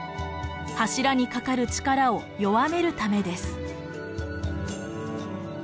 柱にかかる力を弱めるためです。